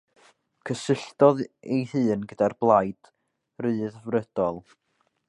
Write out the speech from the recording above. Cysylltodd ei hun gyda'r Blaid Ryddfrydol.